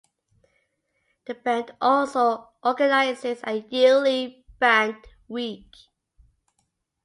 The band also organises a yearly "band week".